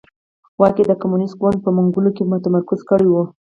واک یې د کمونېست ګوند په منګولو کې متمرکز کړی و.